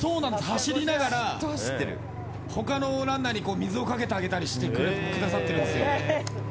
走りながら他のランナーに水をかけてあげたりしてくださっているんですよ。